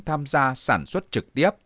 tham gia sản xuất trực tiếp